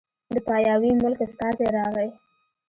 د پاياوي ملک استازی راغی